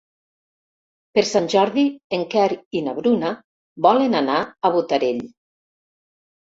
Per Sant Jordi en Quer i na Bruna volen anar a Botarell.